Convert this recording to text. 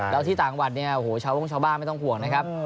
แล้วที่ต่างวัดเนี่ยโอ้โหชาวโม่งชาวบ้านไม่ต้องห่วงนะครับ